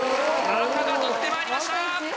赤が取ってまいりました！